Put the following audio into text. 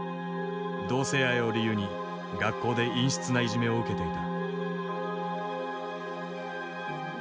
同性愛を理由に学校で陰湿ないじめを受けていた。